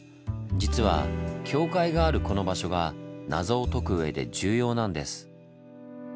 実は教会があるこの場所が謎を解くうえで重要なんです。